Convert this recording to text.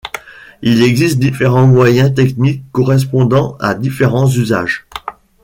Il existe différents moyens techniques, correspondant à différents usages.